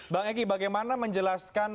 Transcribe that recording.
bang egy bagaimana menjelaskan